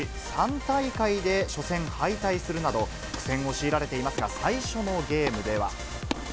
３大会で初戦敗退するなど、苦戦を強いられていますが、最初のゲームでは。